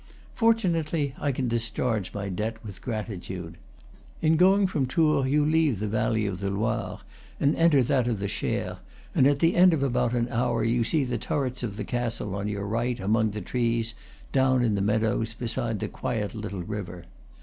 Fortunately I can discharge my debt with gratitude. In going from Tours you leave the valley of the Loire and enter that of the Cher, and at the end of about an hour you see the turrets of the castle on your right, among the trees, down in the meadows, beside the quiet little river.